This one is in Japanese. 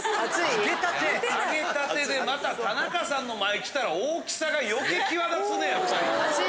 揚げたてでまた田中さんの前きたら大きさが余計際立つねやっぱり。